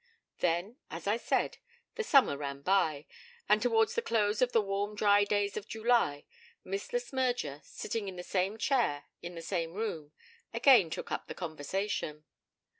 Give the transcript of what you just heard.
Then, as I said, the summer ran by, and towards the close of the warm days of July, Miss Le Smyrger, sitting in the same chair in the same room, again took up the conversation.